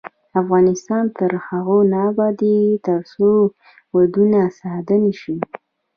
افغانستان تر هغو نه ابادیږي، ترڅو ودونه ساده نشي.